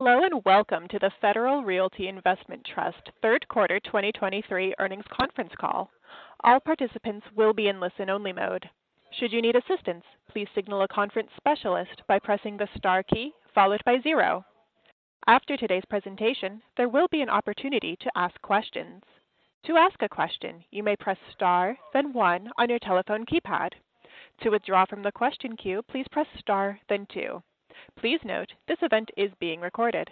Hello, and welcome to the Federal Realty Investment Trust third quarter 2023 earnings conference call. All participants will be in listen-only mode. Should you need assistance, please signal a conference specialist by pressing the star key followed by zero. After today's presentation, there will be an opportunity to ask questions. To ask a question, you may press star, then one on your telephone keypad. To withdraw from the question queue, please press star, then two. Please note, this event is being recorded.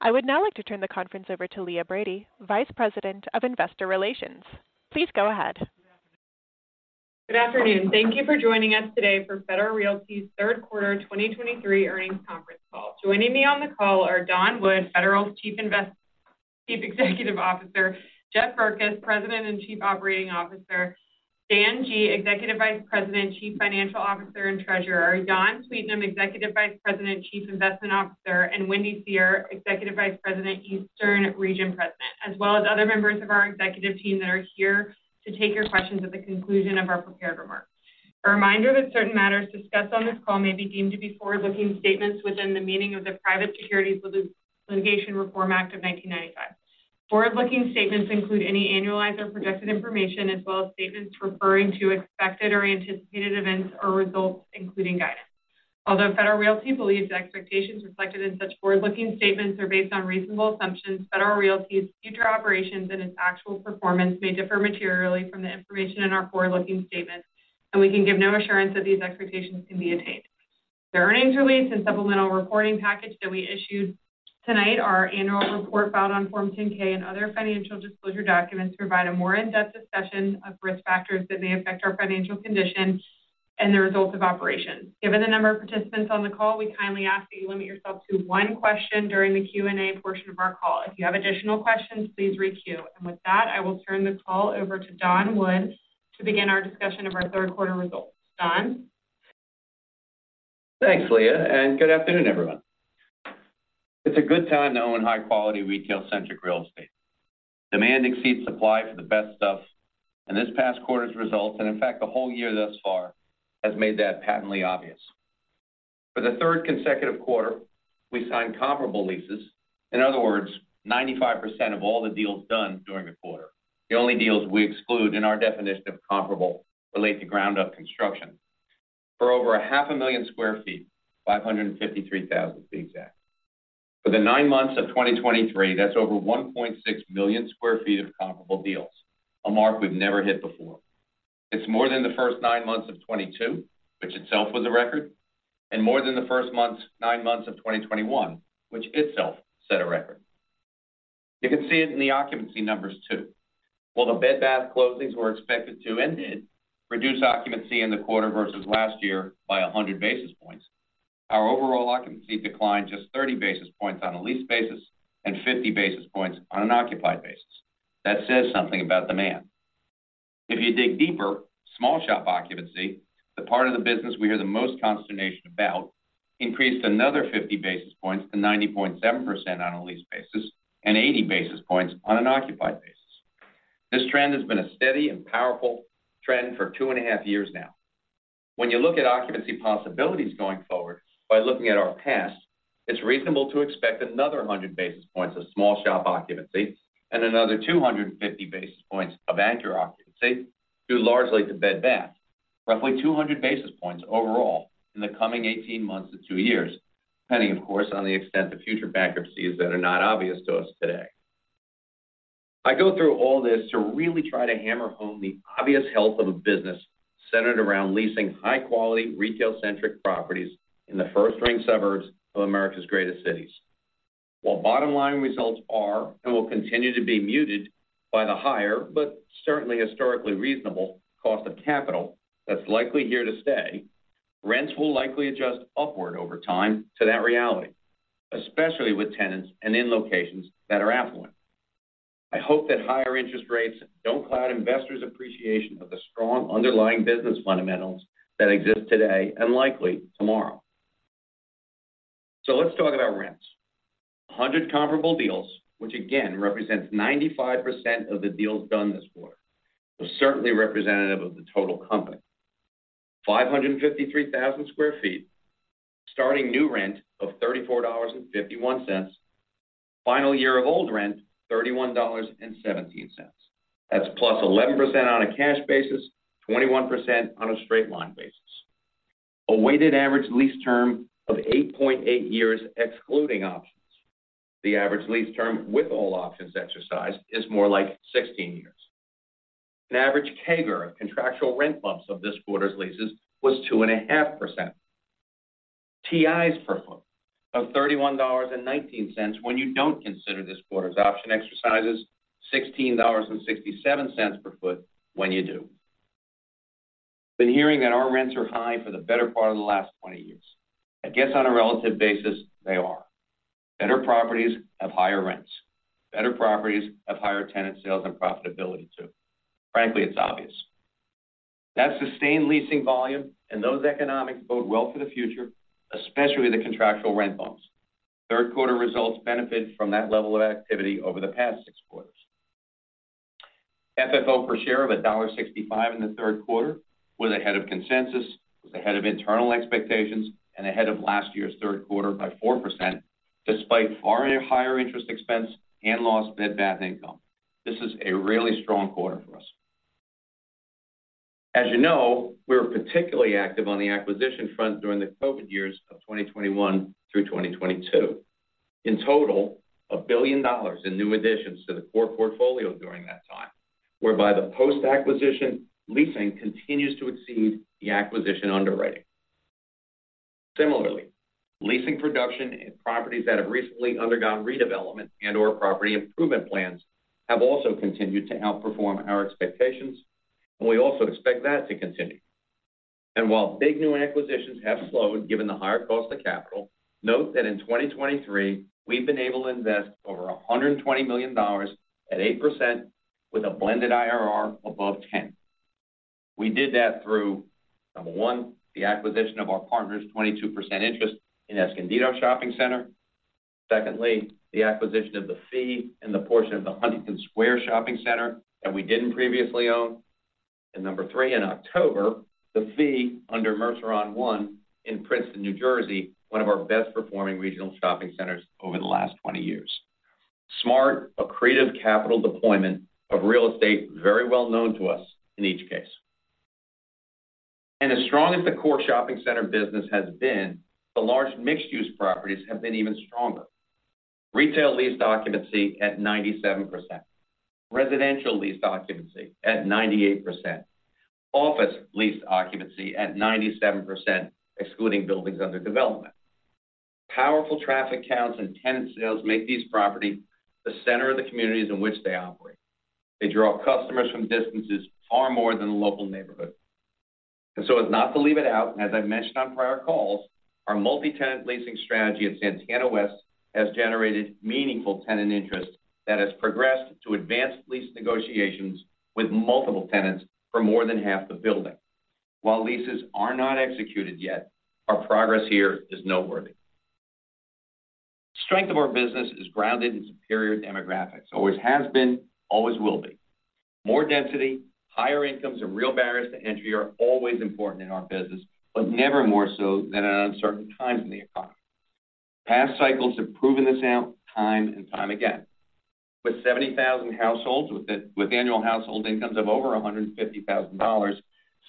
I would now like to turn the conference over to Leah Brady, Vice President of Investor Relations. Please go ahead. Good afternoon. Thank you for joining us today for Federal Realty's third quarter 2023 earnings conference call. Joining me on the call are Don Wood, Federal's Chief Executive Officer; Jeff Berkes, President and Chief Operating Officer; Dan Guglielmone, Executive Vice President, Chief Financial Officer, and Treasurer; Jan Sweetnam, Executive Vice President and Chief Investment Officer; and Wendy Seher, Executive Vice President, Eastern Region President, as well as other members of our executive team that are here to take your questions at the conclusion of our prepared remarks. A reminder that certain matters discussed on this call may be deemed to be forward-looking statements within the meaning of the Private Securities Litigation Reform Act of 1995. Forward-looking statements include any annualized or projected information, as well as statements referring to expected or anticipated events or results, including guidance. Although Federal Realty believes the expectations reflected in such forward-looking statements are based on reasonable assumptions, Federal Realty's future operations and its actual performance may differ materially from the information in our forward-looking statements, and we can give no assurance that these expectations can be attained. The earnings release and supplemental reporting package that we issued tonight, our annual report filed on Form 10-K and other financial disclosure documents, provide a more in-depth discussion of risk factors that may affect our financial condition and the results of operations. Given the number of participants on the call, we kindly ask that you limit yourself to one question during the Q&A portion of our call. If you have additional questions, please re-queue. And with that, I will turn the call over to Don Wood to begin our discussion of our third quarter results. Don? Thanks, Leah, and good afternoon, everyone. It's a good time to own high-quality, retail-centric real estate. Demand exceeds supply for the best stuff, and this past quarter's results, and in fact, the whole year thus far, has made that patently obvious. For the third consecutive quarter, we signed comparable leases. In other words, 95% of all the deals done during the quarter. The only deals we exclude in our definition of comparable relate to ground-up construction. For over 500,000 sq ft, 553,000 to be exact. For the nine months of 2023, that's over 1.6 million sq ft of comparable deals, a mark we've never hit before. It's more than the first nine months of 2022, which itself was a record, and more than the first nine months of 2021, which itself set a record. You can see it in the occupancy numbers, too. While the Bed Bath closings were expected to, and did, reduce occupancy in the quarter versus last year by 100 basis points, our overall occupancy declined just 30 basis points on a lease basis and 50 basis points on an occupied basis. That says something about demand. If you dig deeper, small shop occupancy, the part of the business we hear the most consternation about, increased another 50 basis points to 90.7% on a lease basis and 80 basis points on an occupied basis. This trend has been a steady and powerful trend for 2.5 years now. When you look at occupancy possibilities going forward, by looking at our past, it's reasonable to expect another 100 basis points of small shop occupancy and another 250 basis points of anchor occupancy, due largely to Bed Bath. Roughly 200 basis points overall in the coming 18 months to 2 years, depending, of course, on the extent of future bankruptcies that are not obvious to us today. I go through all this to really try to hammer home the obvious health of a business centered around leasing high-quality, retail-centric properties in the first-rank suburbs of America's greatest cities. While bottom line results are, and will continue to be muted by the higher, but certainly historically reasonable, cost of capital that's likely here to stay, rents will likely adjust upward over time to that reality, especially with tenants and in locations that are affluent. I hope that higher interest rates don't cloud investors' appreciation of the strong underlying business fundamentals that exist today and likely tomorrow. So let's talk about rents. 100 comparable deals, which again represents 95% of the deals done this quarter, are certainly representative of the total company. 553,000 sq ft, starting new rent of $34.51. Final year of old rent, $31.17. That's +11% on a cash basis, 21% on a straight line basis. A weighted average lease term of 8.8 years, excluding options. The average lease term with all options exercised is more like 16 years. An average CAGR of contractual rent bumps of this quarter's leases was 2.5%. TIs per foot of $31.19 when you don't consider this quarter's option exercises, $16.67 per foot when you do. Been hearing that our rents are high for the better part of the last 20 years. I guess on a relative basis, they are. Better properties have higher rents. Better properties have higher tenant sales and profitability, too. Frankly, it's obvious. That sustained leasing volume and those economics bode well for the future, especially the contractual rent bumps. Third quarter results benefit from that level of activity over the past six quarters. FFO per share of $1.65 in the third quarter was ahead of consensus, was ahead of internal expectations, and ahead of last year's third quarter by 4%, despite far higher interest expense and lost Bed Bath income. This is a really strong quarter for us. As you know, we were particularly active on the acquisition front during the COVID years of 2021 through 2022. In total, $1 billion in new additions to the core portfolio during that time, whereby the post-acquisition leasing continues to exceed the acquisition underwriting. Similarly, leasing production in properties that have recently undergone redevelopment and/or property improvement plans have also continued to outperform our expectations, and we also expect that to continue. While big new acquisitions have slowed, given the higher cost of capital, note that in 2023, we've been able to invest over $120 million at 8% with a blended IRR above 10. We did that through, number one, the acquisition of our partner's 22% interest in Escondido Shopping Center. Secondly, the acquisition of the fee and the portion of the Huntington Square Shopping Center that we didn't previously own. And number three, in October, the fee under Mercer on One in Princeton, New Jersey, one of our best-performing regional shopping centers over the last 20 years. Smart, accretive capital deployment of real estate, very well known to us in each case. And as strong as the core shopping center business has been, the large mixed-use properties have been even stronger. Retail leased occupancy at 97%, residential leased occupancy at 98%, office leased occupancy at 97%, excluding buildings under development. Powerful traffic counts and tenant sales make these properties the center of the communities in which they operate. They draw customers from distances far more than the local neighborhood. And so as not to leave it out, and as I mentioned on prior calls, our multi-tenant leasing strategy at Santana West has generated meaningful tenant interest that has progressed to advanced lease negotiations with multiple tenants for more than half the building. While leases are not executed yet, our progress here is noteworthy. Strength of our business is grounded in superior demographics. Always has been, always will be. More density, higher incomes, and real barriers to entry are always important in our business, but never more so than in uncertain times in the economy. Past cycles have proven this out time and time again. With 70,000 households, with annual household incomes of over $150,000,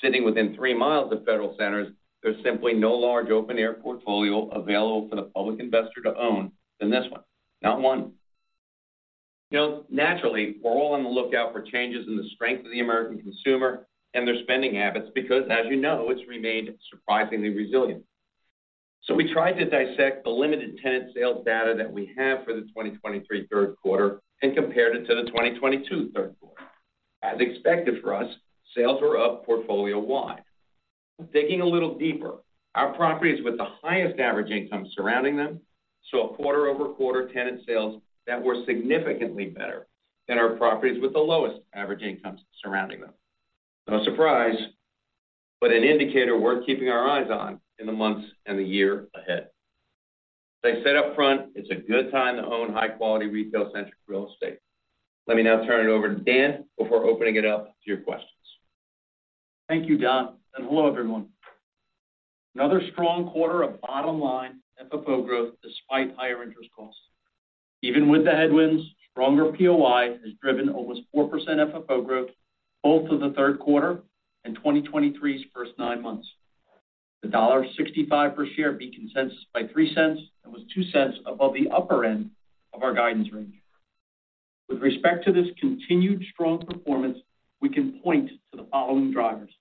sitting within three miles of Federal centers, there's simply no large open-air portfolio available for the public investor to own than this one. Not one. Now, naturally, we're all on the lookout for changes in the strength of the American consumer and their spending habits, because, as you know, it's remained surprisingly resilient. So we tried to dissect the limited tenant sales data that we have for the 2023 third quarter and compared it to the 2022 third quarter. As expected for us, sales were up portfolio-wide. Digging a little deeper, our properties with the highest average income surrounding them, saw a quarter-over-quarter tenant sales that were significantly better than our properties with the lowest average incomes surrounding them. No surprise, but an indicator we're keeping our eyes on in the months and the year ahead. As I said up front, it's a good time to own high-quality retail centric real estate. Let me now turn it over to Dan before opening it up to your questions. Thank you, Don, and hello, everyone. Another strong quarter of bottom line FFO growth despite higher interest costs. Even with the headwinds, stronger POI has driven almost 4% FFO growth both to the third quarter and 2023's first nine months. The $1.65 per share beat consensus by $0.03, and was $0.02 above the upper end of our guidance range. With respect to this continued strong performance, we can point to the following drivers: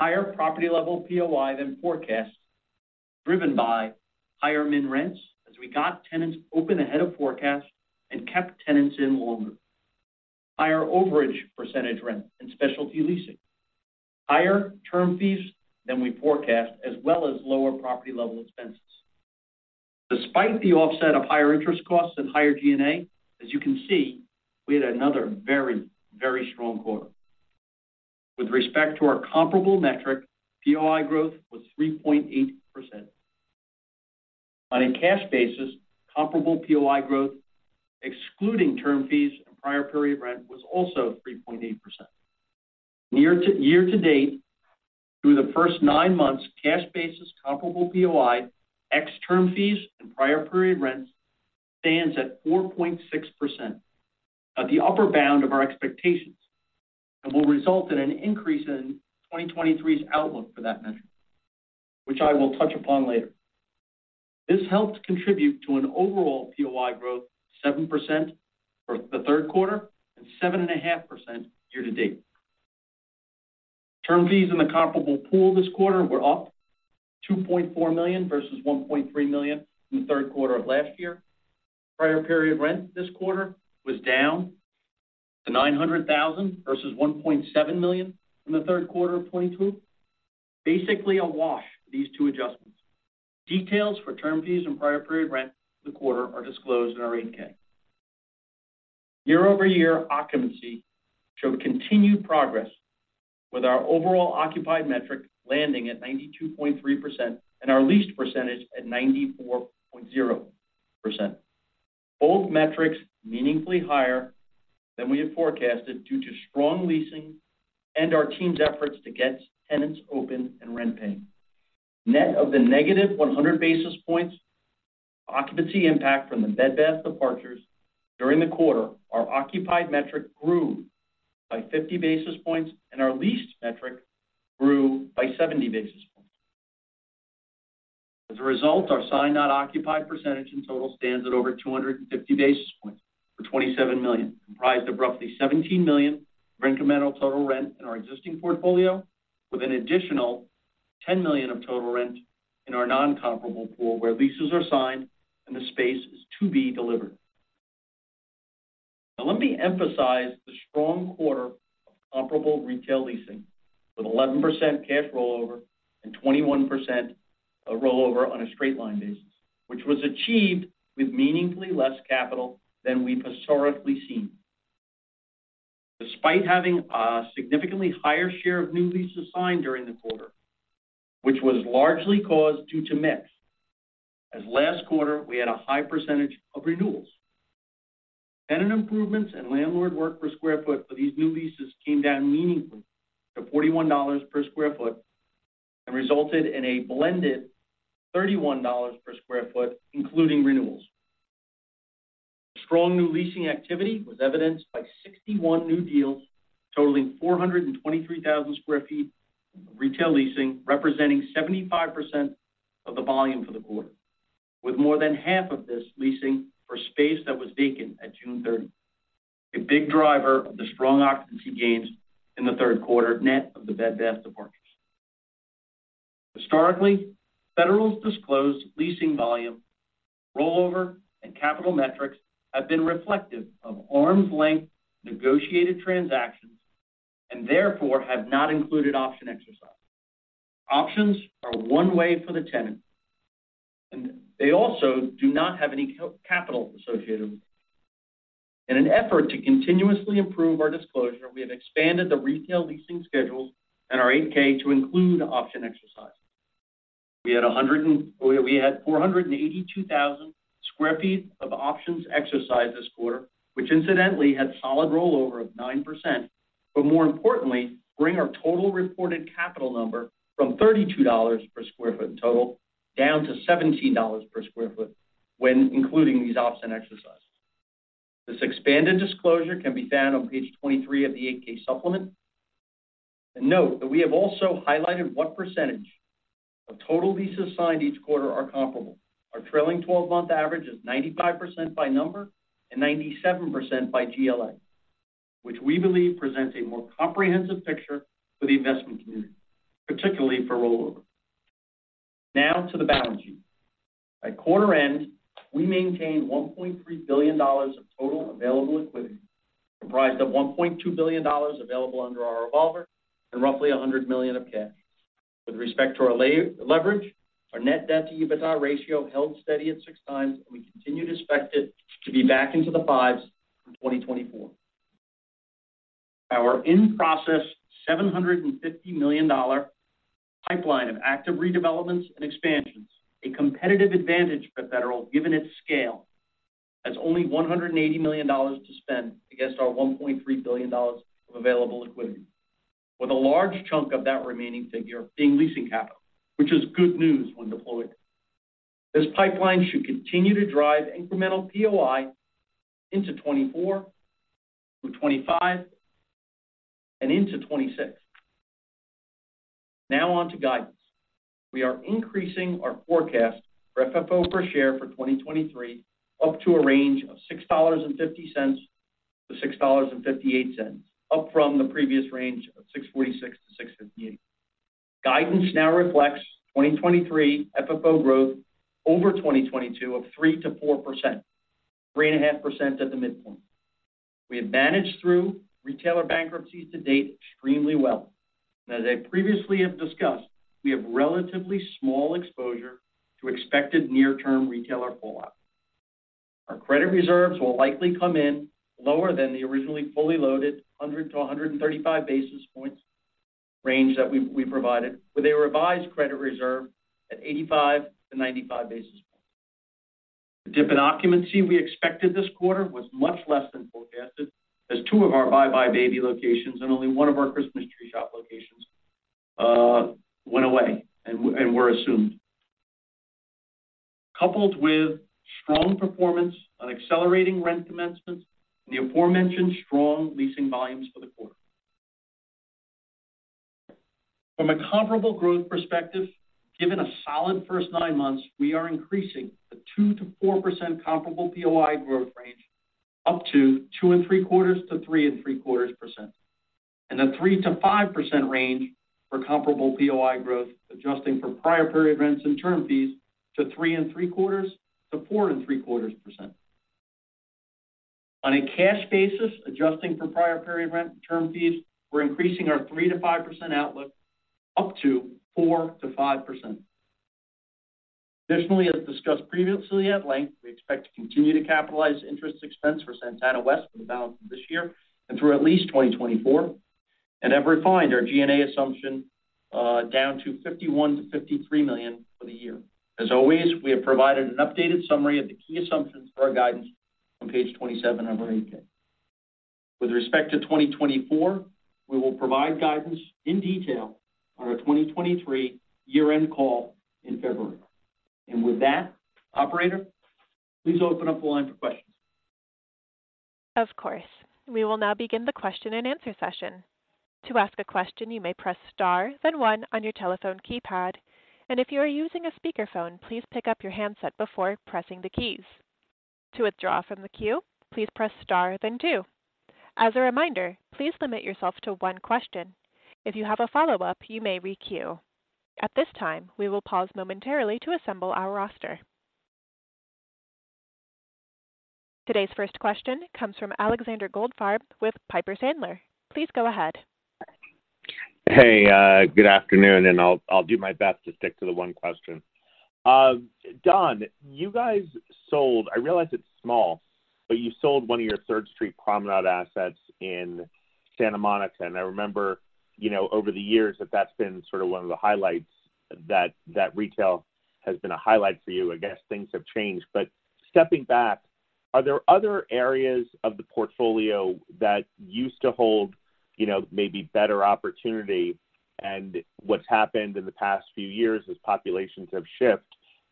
higher property-level POI than forecast, driven by higher min rents as we got tenants open ahead of forecast and kept tenants in longer, higher overage percentage rent and specialty leasing, higher term fees than we forecast, as well as lower property level expenses. Despite the offset of higher interest costs and higher G&A, as you can see, we had another very, very strong quarter. With respect to our comparable metric, POI growth was 3.8%. On a cash basis, comparable POI growth, excluding term fees and prior period rent, was also 3.8%. Year-to-date, through the first nine months, cash basis comparable POI, ex term fees and prior period rents, stands at 4.6% at the upper bound of our expectations and will result in an increase in 2023's outlook for that measure, which I will touch upon later. This helped contribute to an overall POI growth of 7% for the third quarter and 7.5% year-to-date. Term fees in the comparable pool this quarter were up to $2.4 million versus $1.3 million in the third quarter of last year. Prior period rent this quarter was down to $900,000 versus $1.7 million in the third quarter of 2022. Basically a wash, these two adjustments. Details for term fees and prior period rent for the quarter are disclosed in our 8-K. Year-over-year occupancy showed continued progress.... with our overall occupied metric landing at 92.3% and our leased percentage at 94.0%. Both metrics meaningfully higher than we had forecasted due to strong leasing and our team's efforts to get tenants open and rent paying. Net of the negative 100 basis points, occupancy impact from the Bed Bath departures during the quarter, our occupied metric grew by 50 basis points, and our leased metric grew by 70 basis points. As a result, our signed not occupied percentage in total stands at over 250 basis points for $27 million, comprised of roughly $17 million of incremental total rent in our existing portfolio, with an additional $10 million of total rent in our non-comparable pool, where leases are signed and the space is to be delivered. Now, let me emphasize the strong quarter of comparable retail leasing, with 11% cash rollover and 21% of rollover on a straight-line basis, which was achieved with meaningfully less capital than we've historically seen. Despite having a significantly higher share of new leases signed during the quarter, which was largely caused due to mix, as last quarter we had a high percentage of renewals. Tenant improvements and landlord work per sq ft for these new leases came down meaningfully to $41 per sq ft and resulted in a blended $31 per square foot, including renewals. Strong new leasing activity was evidenced by 61 new deals, totaling 423,000 sq ft of retail leasing, representing 75% of the volume for the quarter, with more than half of this leasing for space that was vacant at June 30. A big driver of the strong occupancy gains in the third quarter, net of the Bed Bath departures. Historically, Federal's disclosed leasing volume, rollover, and capital metrics have been reflective of arm's length negotiated transactions and therefore have not included option exercises. Options are one way for the tenant, and they also do not have any cap, capital associated with them. In an effort to continuously improve our disclosure, we have expanded the retail leasing schedules and our 8-K to include option exercises. We had 482,000 sq ft of options exercised this quarter, which incidentally, had solid rollover of 9%, but more importantly, bring our total reported capital number from $32 per sq ft in total, down to $17 per sq ft when including these option exercises. This expanded disclosure can be found on page 23 of the 8-K supplement. And note that we have also highlighted what percentage of total leases signed each quarter are comparable. Our trailing 12-month average is 95% by number and 97% by GLA, which we believe presents a more comprehensive picture for the investment community, particularly for rollover. Now to the balance sheet. At quarter end, we maintained $1.3 billion of total available liquidity, comprised of $1.2 billion available under our revolver and roughly $100 million of cash. With respect to our leverage, our net debt to EBITDA ratio held steady at 6x, and we continue to expect it to be back into the 5xs in 2024. Our in-process $750 million pipeline of active redevelopments and expansions, a competitive advantage for Federal, given its scale, has only $180 million to spend against our $1.3 billion of available liquidity, with a large chunk of that remaining figure being leasing capital, which is good news when deployed. This pipeline should continue to drive incremental POI into 2024, through 2025, and into 2026. Now on to guidance. We are increasing our forecast for FFO per share for 2023, up to a range of $6.50-$6.58, up from the previous range of $6.46-$6.58. Guidance now reflects 2023 FFO growth over 2022 of 3%-4%, 3.5% at the midpoint. We have managed through retailer bankruptcies to date extremely well. As I previously have discussed, we have relatively small exposure to expected near-term retailer fallout. Our credit reserves will likely come in lower than the originally fully loaded 100-135 basis points range that we provided, with a revised credit reserve at 85-95 basis points. The dip in occupancy we expected this quarter was much less than forecasted, as two of our buybuy BABY locations and only one of our Christmas Tree Shops locations went away and were assumed. Coupled with strong performance on accelerating rent commencements and the aforementioned strong leasing volumes for the quarter. From a comparable growth perspective, given a solid first 9 months, we are increasing the 2%-4% comparable POI growth range up to 2.75%-3.75%, and a 3%-5% range for comparable POI growth, adjusting for prior period rents and term fees to 3.75%-4.75%. On a cash basis, adjusting for prior period rent and term fees, we're increasing our 3%-5% outlook up to 4%-5%. Additionally, as discussed previously at length, we expect to continue to capitalize interest expense for Santana West for the balance of this year and through at least 2024, and have refined our G&A assumption down to $51 million-$53 million for the year. As always, we have provided an updated summary of the key assumptions for our guidance on page 27 of our 8-K. With respect to 2024, we will provide guidance in detail on our 2023 year-end call in February. And with that, operator, please open up the line for questions. Of course. We will now begin the question-and-answer session. To ask a question, you may press star, then one on your telephone keypad. And if you are using a speakerphone, please pick up your handset before pressing the keys. To withdraw from the queue, please press star then two. As a reminder, please limit yourself to one question. If you have a follow-up, you may re-queue. At this time, we will pause momentarily to assemble our roster. Today's first question comes from Alexander Goldfarb with Piper Sandler. Please go ahead. Hey, good afternoon, and I'll do my best to stick to the one question. Don, you guys sold... I realize it's small, but you sold one of your Third Street Promenade assets in Santa Monica, and I remember, you know, over the years, that that's been sort of one of the highlights, that retail has been a highlight for you. I guess things have changed, but stepping back, are there other areas of the portfolio that used to hold, you know, maybe better opportunity, and what's happened in the past few years as populations have shifted,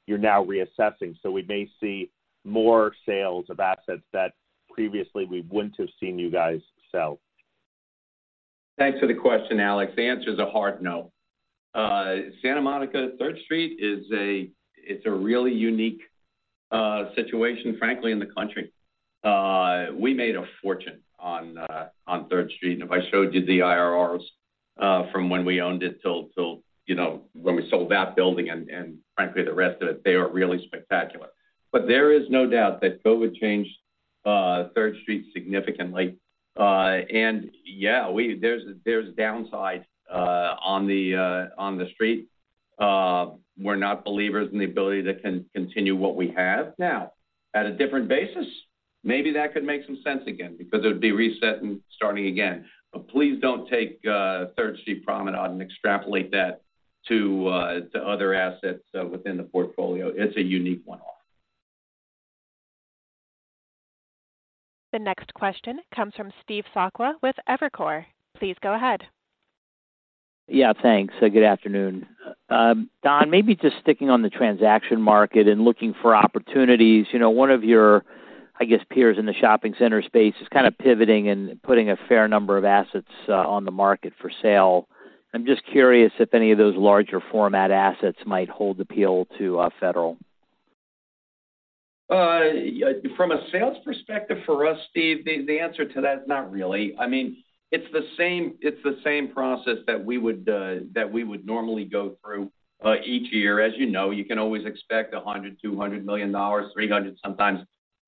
you're now reassessing. So we may see more sales of assets that previously we wouldn't have seen you guys sell? Thanks for the question, Alex. The answer is a hard no. Santa Monica, Third Street is—it's a really unique situation, frankly, in the country. We made a fortune on Third Street, and if I showed you the IRRs from when we owned it till you know, when we sold that building and frankly, the rest of it, they are really spectacular. But there is no doubt that COVID changed Third Street significantly. And yeah, there's downside on the street. We're not believers in the ability to continue what we have. Now, at a different basis, maybe that could make some sense again because it would be resetting, starting again. But please don't take Third Street Promenade and extrapolate that to other assets within the portfolio. It's a unique one-off. The next question comes from Steve Sakwa with Evercore. Please go ahead. Yeah, thanks, and good afternoon. Don, maybe just sticking on the transaction market and looking for opportunities. You know, one of your, I guess, peers in the shopping center space is kind of pivoting and putting a fair number of assets on the market for sale. I'm just curious if any of those larger format assets might hold appeal to Federal. From a sales perspective for us, Steve, the answer to that is not really. I mean, it's the same process that we would normally go through each year. As you know, you can always expect $100, $200 million, $300, sometimes,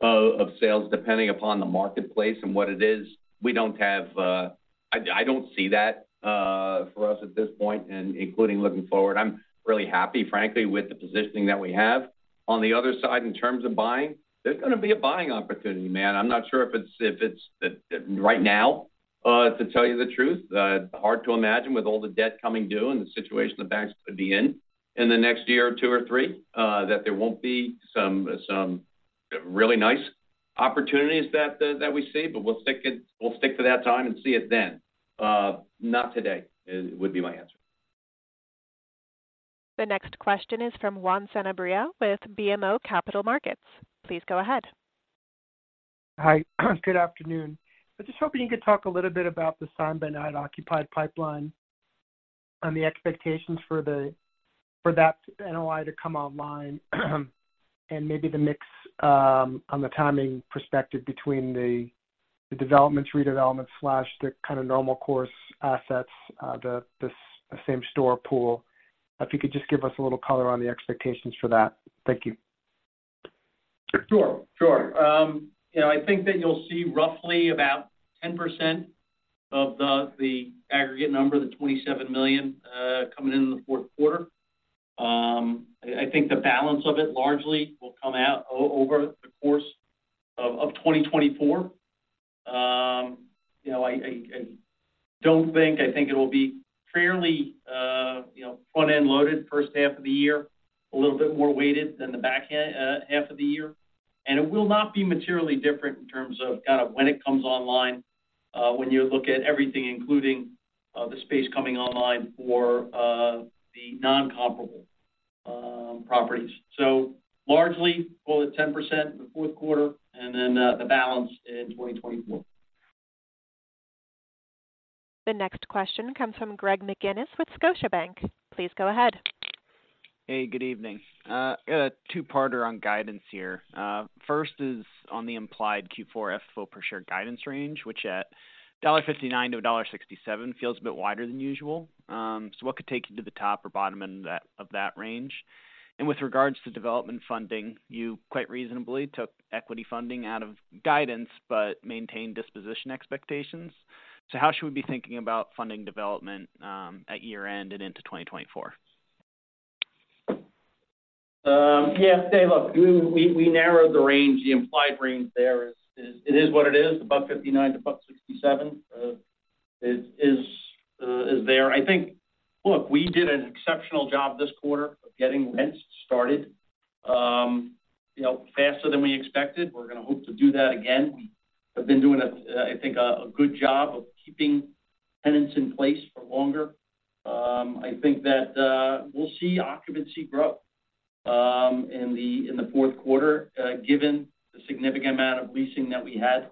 of sales, depending upon the marketplace and what it is. We don't have... I don't see that for us at this point, and including looking forward. I'm really happy, frankly, with the positioning that we have. On the other side, in terms of buying, there's going to be a buying opportunity, man. I'm not sure if it's right now, to tell you the truth. Hard to imagine with all the debt coming due and the situation the banks could be in, in the next year or two or three, that there won't be some really nice opportunities that we see, but we'll stick to that time and see it then. Not today would be my answer. The next question is from Juan Sanabria with BMO Capital Markets. Please go ahead. Hi, good afternoon. I was just hoping you could talk a little bit about the same-tenant occupied pipeline and the expectations for the—for that NOI to come online, and maybe the mix on the timing perspective between the developments, redevelopments, slash, the kind of normal course assets, the same store pool. If you could just give us a little color on the expectations for that. Thank you. Sure, sure. You know, I think that you'll see roughly about 10% of the aggregate number, the $27 million, coming in in the fourth quarter. I think the balance of it largely will come out over the course of 2024. You know, I don't think... I think it will be fairly, you know, front-end loaded first half of the year, a little bit more weighted than the back half of the year. And it will not be materially different in terms of kind of when it comes online, when you look at everything, including the space coming online for the non-comparable properties. So largely, call it 10% in the fourth quarter, and then the balance in 2024. The next question comes from Greg McGinniss with Scotiabank. Please go ahead. Hey, good evening. A two-parter on guidance here. First is on the implied Q4 FFO per share guidance range, which at $1.59-$1.67 feels a bit wider than usual. So what could take you to the top or bottom end of that, of that range? And with regards to development funding, you quite reasonably took equity funding out of guidance, but maintained disposition expectations. So how should we be thinking about funding development, at year-end and into 2024? Yeah, hey, look, we narrowed the range, the implied range there is, it is what it is. $1.59-$1.67 is there. I think, look, we did an exceptional job this quarter of getting rents started, you know, faster than we expected. We're gonna hope to do that again. We have been doing a, I think, a good job of keeping tenants in place for longer. I think that, we'll see occupancy grow, in the fourth quarter, given the significant amount of leasing that we had.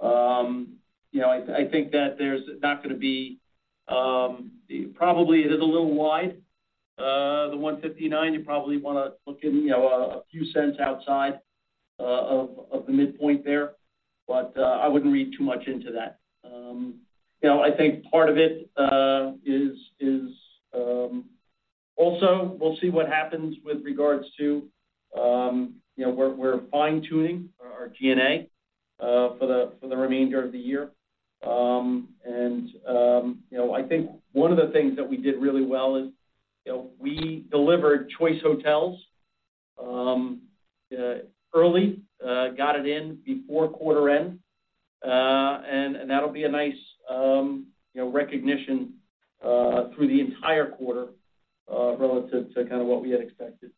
You know, I think that there's not gonna be, probably it is a little wide, the $1.59. You probably wanna look in, you know, a few cents outside of the midpoint there, but I wouldn't read too much into that. You know, I think part of it is. Also, we'll see what happens with regards to, you know, we're fine-tuning our G&A for the remainder of the year. And, you know, I think one of the things that we did really well is, you know, we delivered Choice Hotels early, got it in before quarter end, and that'll be a nice, you know, recognition through the entire quarter, relative to kind of what we had expected.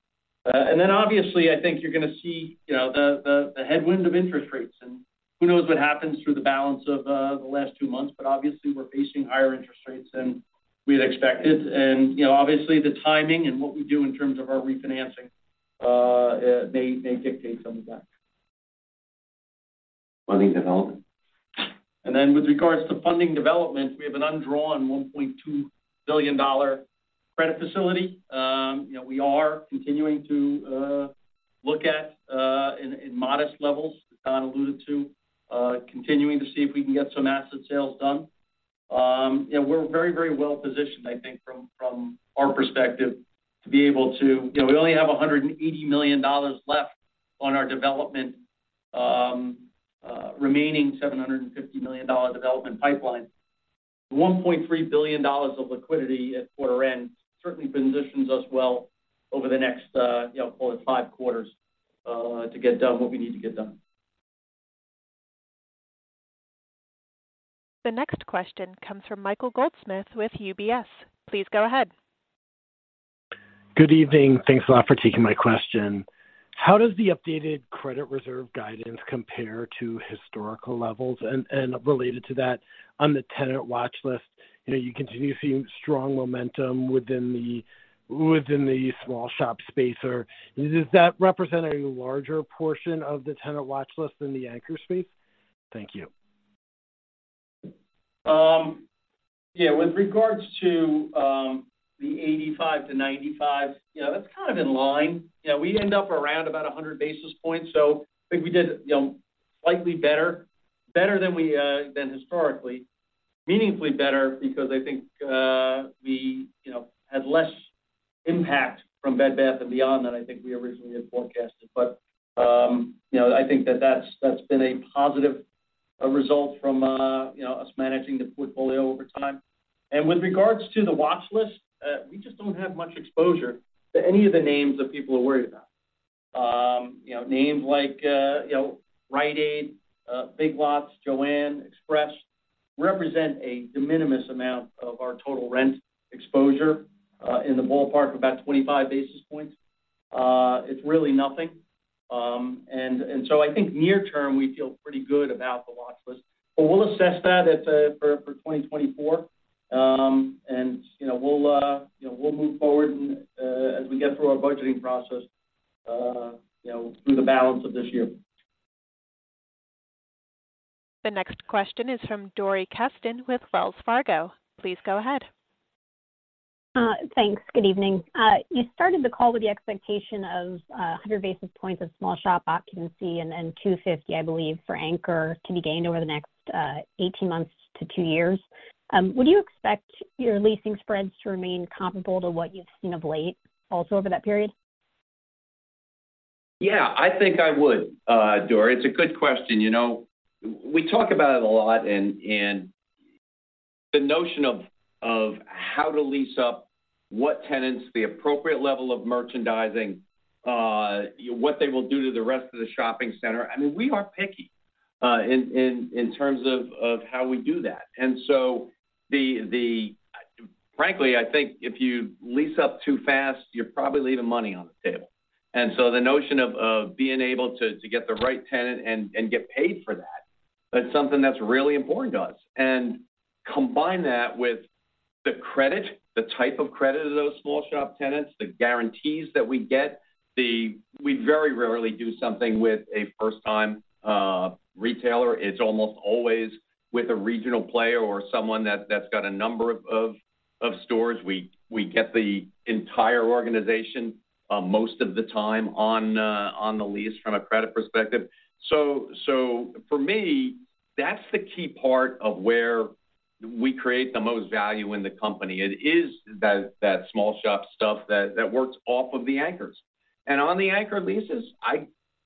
And then obviously, I think you're gonna see, you know, the headwind of interest rates, and who knows what happens through the balance of the last two months. But obviously, we're facing higher interest rates than we had expected. And, you know, obviously, the timing and what we do in terms of our refinancing may dictate some of that. Funding development. With regards to funding development, we have an undrawn $1.2 billion credit facility. You know, we are continuing to look at in modest levels, as Don alluded to, continuing to see if we can get some asset sales done. You know, we're very, very well positioned, I think, from our perspective, to be able to... You know, we only have $180 million left on our development, remaining $750 million development pipeline. $1.3 billion of liquidity at quarter end certainly positions us well over the next, you know, call it five quarters, to get done what we need to get done. The next question comes from Michael Goldsmith with UBS. Please go ahead. Good evening. Thanks a lot for taking my question. How does the updated credit reserve guidance compare to historical levels? And related to that, on the tenant watch list, you know, you continue seeing strong momentum within the small shop space, or does that represent a larger portion of the tenant watch list than the anchor space? Thank you. Yeah, with regards to the 85-95, you know, that's kind of in line. You know, we end up around about 100 basis points, so I think we did, you know, slightly better, better than we than historically. Meaningfully better because I think we, you know, had less impact from Bed Bath & Beyond than I think we originally had forecasted. But you know, I think that that's, that's been a positive result from you know, us managing the portfolio over time. And with regards to the watch list, we just don't have much exposure to any of the names that people are worried about. You know, names like you know, Rite Aid, Big Lots, Jo-Ann, Express, represent a de minimis amount of our total rent exposure, in the ballpark of about 25 basis points. It's really nothing. And so I think near term, we feel pretty good about the watch list, but we'll assess that for 2024. And, you know, we'll move forward as we get through our budgeting process, you know, through the balance of this year. The next question is from Dori Kesten with Wells Fargo. Please go ahead. Thanks. Good evening. You started the call with the expectation of 100 basis points of small shop occupancy and 250, I believe, for anchor to be gained over the next 18 months to two years. Would you expect your leasing spreads to remain comparable to what you've seen of late, also over that period? Yeah, I think I would, Dori. It's a good question. You know, we talk about it a lot and, and the notion of, of how to lease up what tenants, the appropriate level of merchandising, what they will do to the rest of the shopping center. I mean, we are picky, in terms of how we do that. And so the, the... Frankly, I think if you lease up too fast, you're probably leaving money on the table. And so the notion of, of being able to, to get the right tenant and, and get paid for that, that's something that's really important to us. And combine that with the credit, the type of credit of those small shop tenants, the guarantees that we get, the-- We very rarely do something with a first-time, retailer. It's almost always with a regional player or someone that's got a number of stores. We get the entire organization most of the time on the lease from a credit perspective. So for me, that's the key part of where we create the most value in the company. It is that small shop stuff that works off of the anchors. And on the anchor leases,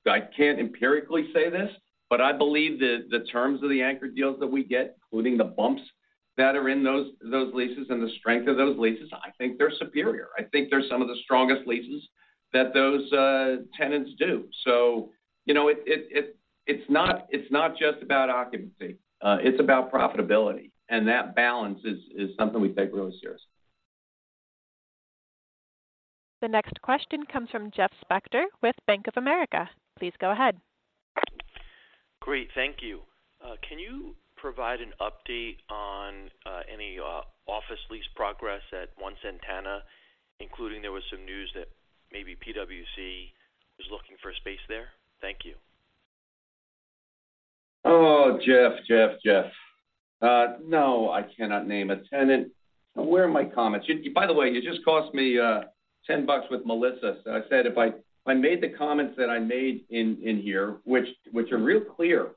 I can't empirically say this, but I believe the terms of the anchor deals that we get, including the bumps-that are in those leases and the strength of those leases, I think they're superior. I think they're some of the strongest leases that those tenants do. So you know, it's not just about occupancy, it's about profitability. And that balance is something we take really seriously. The next question comes from Jeff Spector with Bank of America. Please go ahead. Great, thank you. Can you provide an update on any office lease progress at One Santana, including there was some news that maybe PwC is looking for a space there? Thank you. Oh, Jeff, Jeff, Jeff. No, I cannot name a tenant. Where are my comments? By the way, you just cost me $10 with Melissa. So I said, if I made the comments that I made in here, which are real clear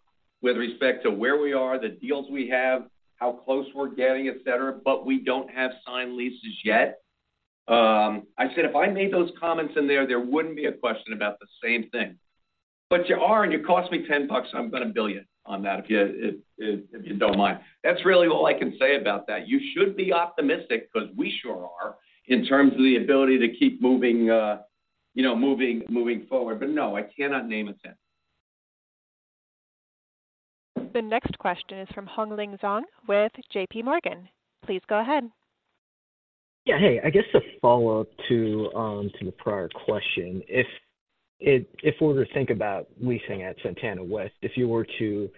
with respect to where we are, the deals we have, how close we're getting, et cetera, but we don't have signed leases yet. I said, if I made those comments in there, there wouldn't be a question about the same thing. But you are, and you cost me $10, so I'm going to bill you on that, if you don't mind. That's really all I can say about that. You should be optimistic, because we sure are, in terms of the ability to keep moving, you know, moving forward. No, I cannot name a tenant. The next question is from Hongliang Zhang with JPMorgan. Please go ahead. Yeah, hey, I guess a follow-up to the prior question. If we were to think about leasing at Santana West, if you were to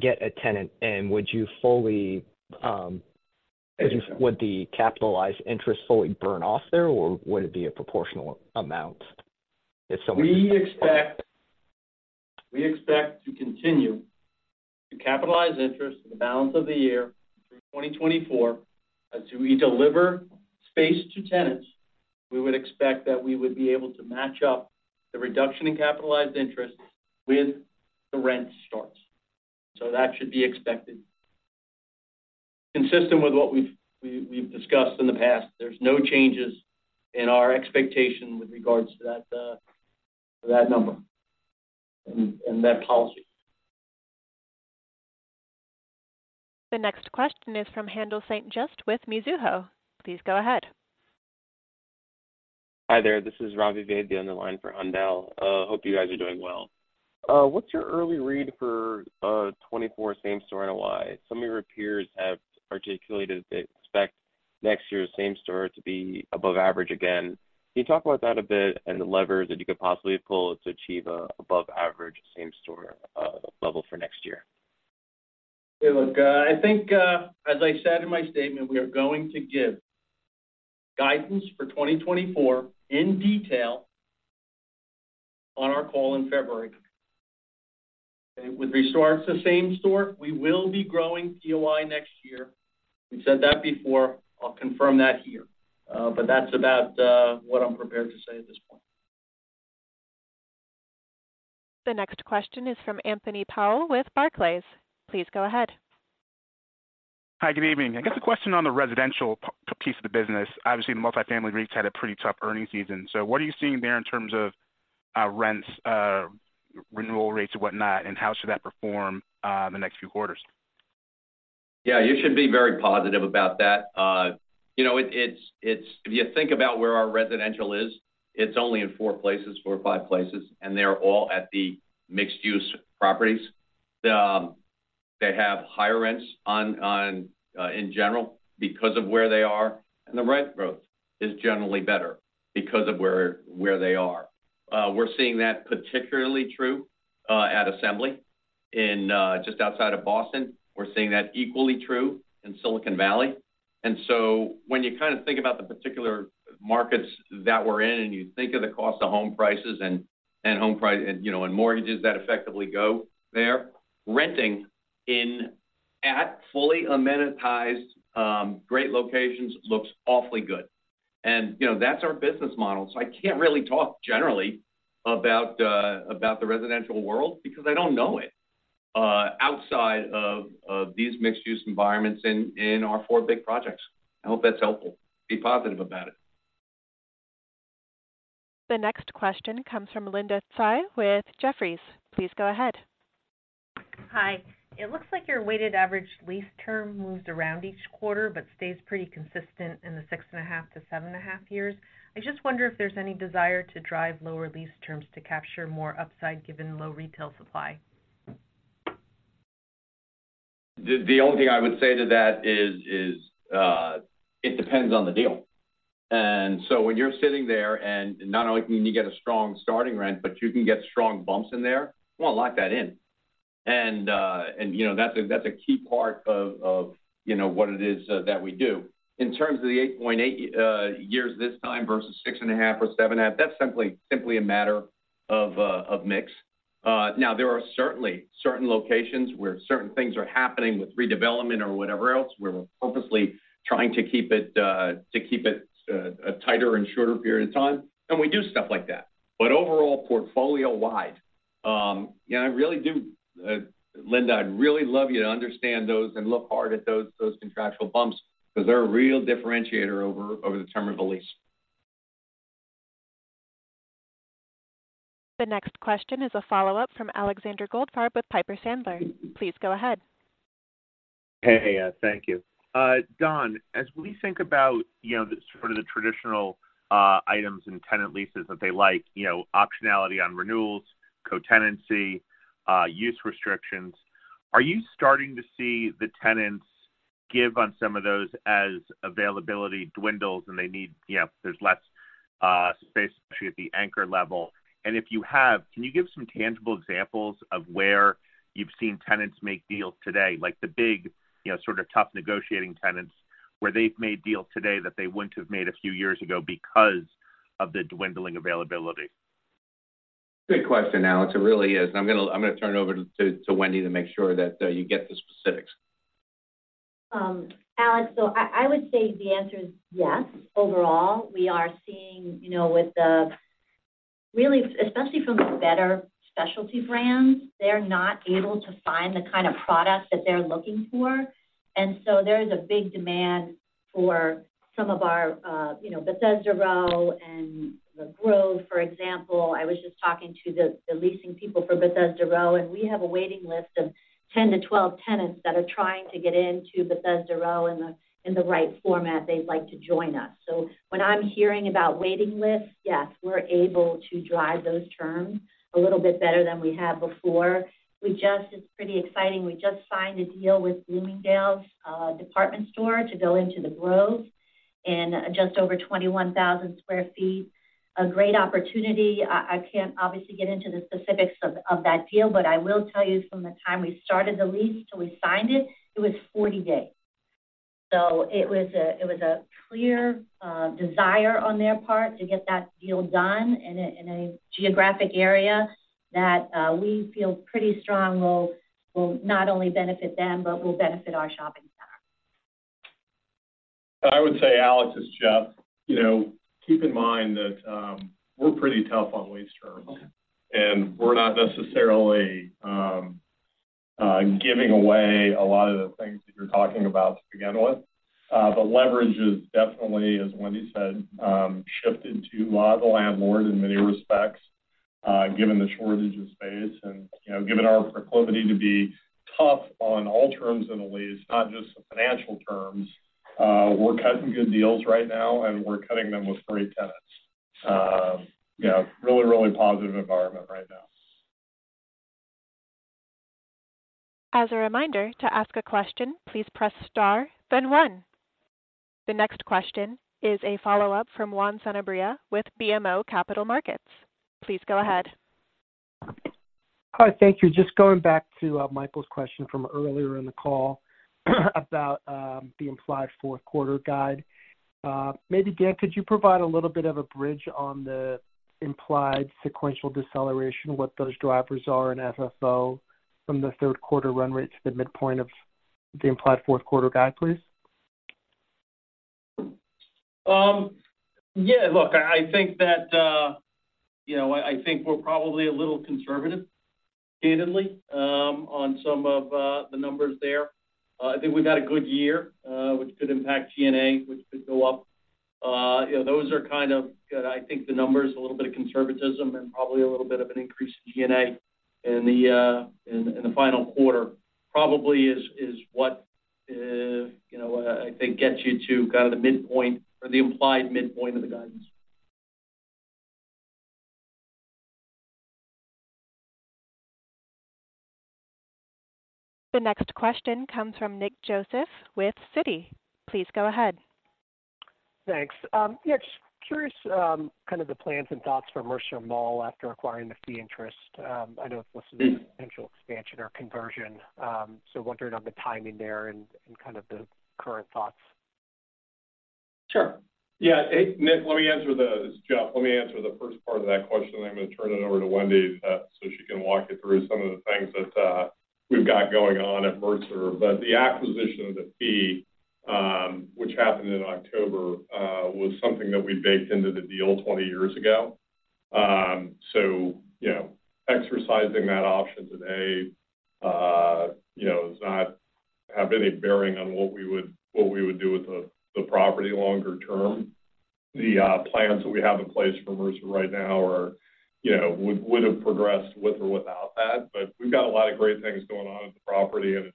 get a tenant in, would you fully, would the capitalized interest fully burn off there, or would it be a proportional amount if someone- We expect to continue to capitalize interest for the balance of the year, through 2024. As we deliver space to tenants, we would expect that we would be able to match up the reduction in capitalized interest with the rent starts. So that should be expected. Consistent with what we've discussed in the past, there's no changes in our expectation with regards to that that number and that policy. The next question is from Haendel St. Juste with Mizuho. Please go ahead. Hi there, this is Ravi Vaidya on the line for Haendel. Hope you guys are doing well. What's your early read for 2024 same-store NOI? Some of your peers have articulated they expect next year's same-store to be above average again. Can you talk about that a bit and the levers that you could possibly pull to achieve an above average same-store level for next year? Hey, look, I think, as I said in my statement, we are going to give guidance for 2024 in detail on our call in February. With regards to same store, we will be growing NOI next year. We've said that before, I'll confirm that here. But that's about what I'm prepared to say at this point. The next question is from Anthony Powell with Barclays. Please go ahead. Hi, good evening. I guess a question on the residential piece of the business. Obviously, the multifamily REITs had a pretty tough earnings season. So what are you seeing there in terms of rents, renewal rates and whatnot, and how should that perform in the next few quarters? Yeah, you should be very positive about that. You know, if you think about where our residential is, it's only in four places, four or five places, and they're all at the mixed-use properties. They have higher rents in general, because of where they are, and the rent growth is generally better because of where they are. We're seeing that particularly true at Assembly in just outside of Boston. We're seeing that equally true in Silicon Valley. And so when you kind of think about the particular markets that we're in, and you think of the cost of home prices and, you know, and mortgages that effectively go there, renting in at fully amenitized great locations looks awfully good. You know, that's our business model, so I can't really talk generally about the residential world because I don't know it outside of these mixed-use environments in our four big projects. I hope that's helpful. Be positive about it. The next question comes from Linda Tsai with Jefferies. Please go ahead. Hi. It looks like your weighted average lease term moves around each quarter, but stays pretty consistent in the 6.5-7.5 years. I just wonder if there's any desire to drive lower lease terms to capture more upside, given low retail supply? The only thing I would say to that is, it depends on the deal. And so when you're sitting there and not only can you get a strong starting rent, but you can get strong bumps in there, you want to lock that in. And, you know, that's a key part of, you know, what it is that we do. In terms of the 8.8 years this time versus 6.5 or 7.5, that's simply a matter of mix. Now, there are certainly certain locations where certain things are happening with redevelopment or whatever else, where we're purposely trying to keep it a tighter and shorter period of time, and we do stuff like that. But overall, portfolio-wide, and I really do, Linda, I'd really love you to understand those and look hard at those contractual bumps, because they're a real differentiator over the term of a lease. The next question is a follow-up from Alexander Goldfarb with Piper Sandler. Please go ahead. Hey, thank you. Don, as we think about, you know, sort of the traditional, items and tenant leases that they like, you know, optionality on renewals, co-tenancy, use restrictions, are you starting to see the tenants give on some of those as availability dwindles, and they need, you know, there's less, space, especially at the anchor level? And if you have, can you give some tangible examples of where you've seen tenants make deals today, like the big, you know, sort of tough negotiating tenants, where they've made deals today that they wouldn't have made a few years ago because of the dwindling availability? Good question, Alex. It really is. I'm gonna, I'm gonna turn it over to, to Wendy to make sure that you get the specifics. Alex, so I, I would say the answer is yes. Overall, we are seeing, you know, with the really, especially from the better specialty brands, they're not able to find the kind of product that they're looking for, and so there is a big demand for some of our, you know, Bethesda Row and The Grove, for example. I was just talking to the leasing people for Bethesda Row, and we have a waiting list of 10-12 tenants that are trying to get into Bethesda Row in the right format they'd like to join us. So when I'm hearing about waiting lists, yes, we're able to drive those terms a little bit better than we have before. We just... It's pretty exciting. We just signed a deal with Bloomingdale's, department store to go into The Grove in just over 21,000 sq ft. A great opportunity. I can't obviously get into the specifics of, of that deal, but I will tell you from the time we started the lease till we signed it, it was 40 days. So it was a, it was a clear, desire on their part to get that deal done in a, in a geographic area that, we feel pretty strong will, will not only benefit them but will benefit our shopping center. I would say, Alex, it's Jeff. You know, keep in mind that we're pretty tough on lease terms, and we're not necessarily giving away a lot of the things that you're talking about to begin with. But leverage is definitely, as Wendy said, shifted to a lot of the landlord in many respects, given the shortage of space and, you know, given our proclivity to be tough on all terms in a lease, not just the financial terms, we're cutting good deals right now, and we're cutting them with great tenants. You know, really, really positive environment right now. As a reminder, to ask a question, please press star, then one. The next question is a follow-up from Juan Sanabria with BMO Capital Markets. Please go ahead. Hi, thank you. Just going back to Michael's question from earlier in the call, about the implied fourth quarter guide. Maybe, Dan, could you provide a little bit of a bridge on the implied sequential deceleration, what those drivers are in FFO from the third quarter run rate to the midpoint of the implied fourth quarter guide, please? Yeah, look, I, I think that, you know, I, I think we're probably a little conservative, candidly, on some of the numbers there. I think we've had a good year, which could impact G&A, which could go up. You know, those are kind of, I think the numbers, a little bit of conservatism and probably a little bit of an increase in G&A in the final quarter, probably is what, you know, I, I think gets you to kind of the midpoint or the implied midpoint of the guidance. The next question comes from Nick Joseph with Citi. Please go ahead. Thanks. Yeah, just curious, kind of the plans and thoughts for Mercer Mall after acquiring the fee interest. I know it's listed as potential expansion or conversion, so wondering on the timing there and kind of the current thoughts. Sure. Yeah. Hey, Nick, let me answer the first part of that question. It's Jeff, and I'm going to turn it over to Wendy, so she can walk you through some of the things that we've got going on at Mercer. But the acquisition of the fee, which happened in October, was something that we baked into the deal 20 years ago. So, you know, exercising that option today, you know, does not have any bearing on what we would do with the property longer term. The plans that we have in place for Mercer right now, you know, would have progressed with or without that. But we've got a lot of great things going on at the property, and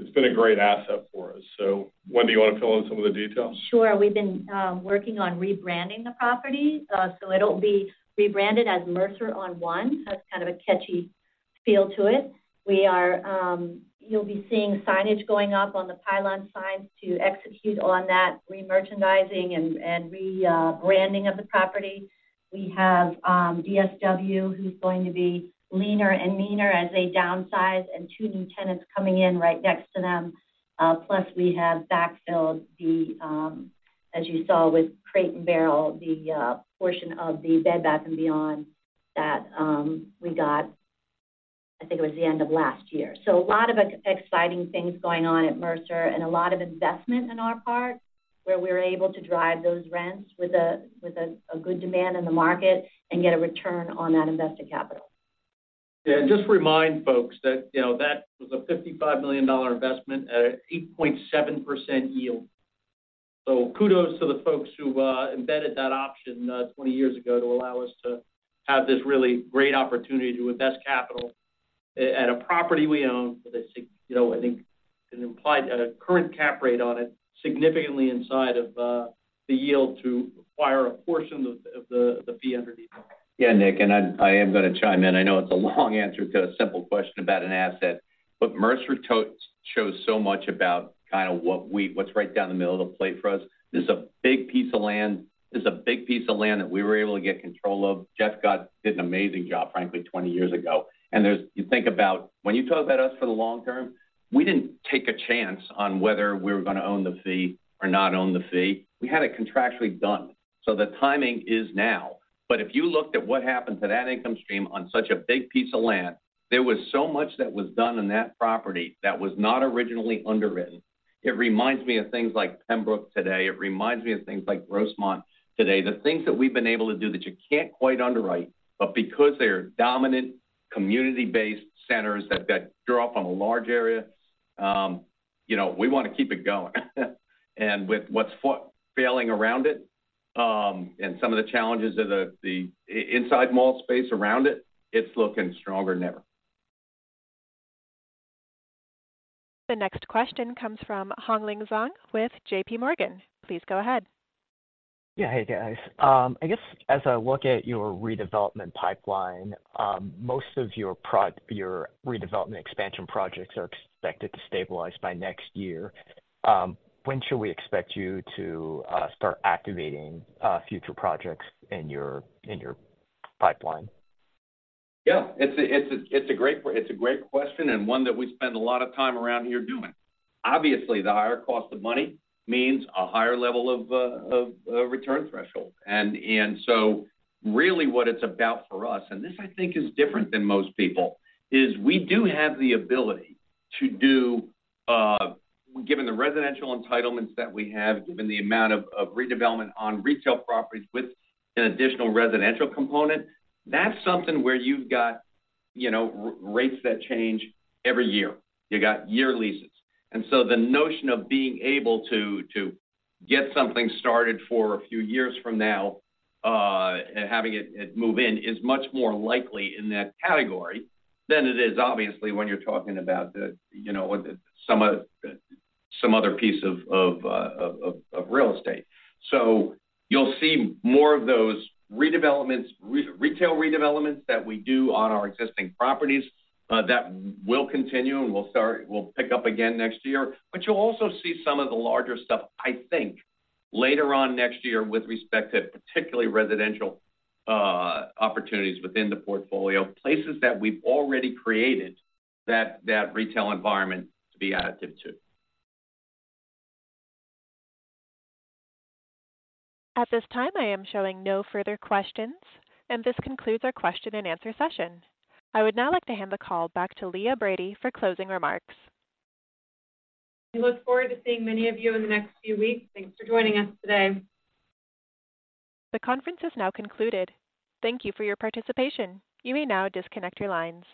it's been a great asset for us. So, Wendy, you want to fill in some of the details? Sure. We've been working on rebranding the property, so it'll be rebranded as Mercer On One. So that's kind of a catchy feel to it. We are, you'll be seeing signage going up on the pylon signs to execute on that remerchandising and rebranding of the property. We have, DSW, who's going to be leaner and meaner as they downsize, and two new tenants coming in right next to them. Plus, we have backfilled the, as you saw with Crate & Barrel, the portion of the Bed Bath & Beyond that, we got, I think it was the end of last year. A lot of exciting things going on at Mercer and a lot of investment on our part, where we're able to drive those rents with a good demand in the market and get a return on that invested capital. Yeah, and just to remind folks that, you know, that was a $55 million investment at an 8.7% yield. So kudos to the folks who embedded that option 20 years ago to allow us to have this really great opportunity to invest capital at a property we own with a significant, you know, I think an implied at a current cap rate on it, significantly inside of the yield to acquire a portion of the fee underneath it. Yeah, Nick, and I, I am going to chime in. I know it's a long answer to a simple question about an asset, but Mercer totally shows so much about kind of what we, what's right down the middle of the plate for us. This is a big piece of land. This is a big piece of land that we were able to get control of. Jeff Scott did an amazing job, frankly, 20 years ago. And there's. You think about when you talk about us for the long term, we didn't take a chance on whether we were going to own the fee or not own the fee. We had it contractually done, so the timing is now. But if you looked at what happened to that income stream on such a big piece of land, there was so much that was done on that property that was not originally underwritten. It reminds me of things like Pembroke today. It reminds me of things like Grossmont today. The things that we've been able to do that you can't quite underwrite, but because they are dominant, community-based centers that draw from a large area, you know, we want to keep it going. And with what's failing around it, and some of the challenges of the inside mall space around it, it's looking stronger than ever. The next question comes from Hongliang Zhang with JP Morgan. Please go ahead. Yeah. Hey, guys. I guess as I look at your redevelopment pipeline, most of your redevelopment expansion projects are expected to stabilize by next year. When should we expect you to start activating future projects in your pipeline? Yeah, it's a great question and one that we spend a lot of time around here doing. Obviously, the higher cost of money means a higher level of return threshold. And so really what it's about for us, and this I think is different than most people, is we do have the ability to do, given the residential entitlements that we have, given the amount of redevelopment on retail properties with an additional residential component, that's something where you've got, you know, rates that change every year. You got year leases. And so the notion of being able to get something started for a few years from now, and having it move in, is much more likely in that category than it is, obviously, when you're talking about, you know, what some other piece of real estate. So you'll see more of those redevelopments, retail redevelopments that we do on our existing properties. That will continue, and we'll pick up again next year. But you'll also see some of the larger stuff, I think, later on next year with respect to particularly residential opportunities within the portfolio, places that we've already created, that retail environment to be additive to. At this time, I am showing no further questions, and this concludes our question and answer session. I would now like to hand the call back to Leah Brady for closing remarks. We look forward to seeing many of you in the next few weeks. Thanks for joining us today. The conference is now concluded. Thank you for your participation. You may now disconnect your lines.